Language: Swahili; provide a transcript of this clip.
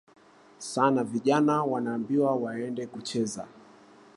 sana vijana wanaambiwa waende kucheza